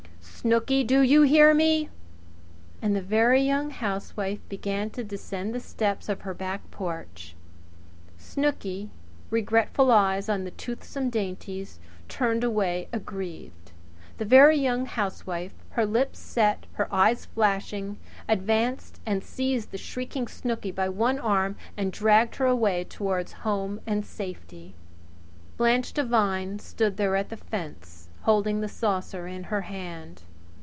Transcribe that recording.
"Snooky! Do you hear me?" And the Very Young Wife began to descend the steps of her back porch. Snooky, regretful eyes on the toothsome dainties, turned away aggrieved. The Very Young Wife, her lips set, her eyes flashing, advanced and seized the shrieking Snooky by one writhing arm and dragged her away toward home and safety. Blanche Devine stood there at the fence, holding the saucer in her hand.